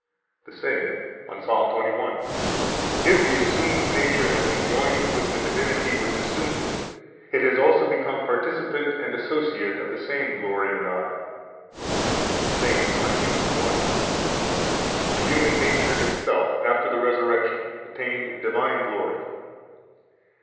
113 The same, on Ps. 21, t. 1, p. 110: "If the assumed nature has been joined with the divinity which assumed it, it has also become participant and associate of the same glory and honor." 114 The same, on Heb. 1: "The human nature itself, after the resurrection, attained divine glory."